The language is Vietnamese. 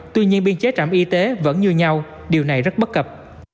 tuy nhiên biên chế trạm y tế vẫn như nhau điều này rất bất cập